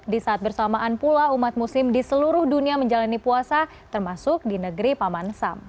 di saat bersamaan pula umat muslim di seluruh dunia menjalani puasa termasuk di negeri paman sam